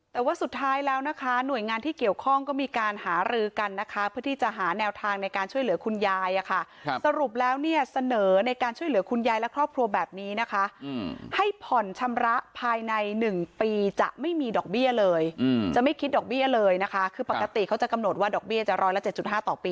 แต่ว่าสุดท้ายแล้วนะคะหน่วยงานที่เกี่ยวข้องก็มีการหารือกันนะคะเพื่อที่จะหาแนวทางในการช่วยเหลือคุณยายอะค่ะสรุปแล้วเนี่ยเสนอในการช่วยเหลือคุณยายและครอบครัวแบบนี้นะคะให้ผ่อนชำระภายใน๑ปีจะไม่มีดอกเบี้ยเลยจะไม่คิดดอกเบี้ยเลยนะคะคือปกติเขาจะกำหนดว่าดอกเบี้ยจะร้อยละ๗๕ต่อปี